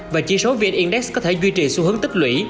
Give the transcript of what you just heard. và chỉ số vn index có thể duy trì xu hướng tích lũy